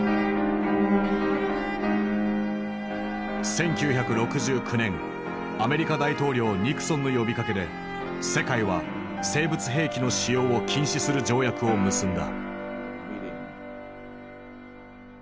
１９６９年アメリカ大統領ニクソンの呼びかけで世界は生物兵器の使用を禁止する条約を結んだ。